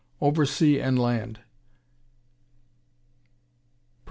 Over Sea and Land Pres.